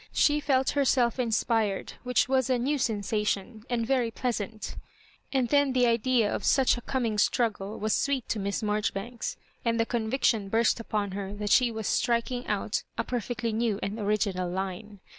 She felt herself inspired, whidi was a new sensation, and very pleasant ; and then the idea of such a coming struggle was sweet to Miss Marjoribanks, and the conviction burst upon her that she was striking out a per fectly new and original line.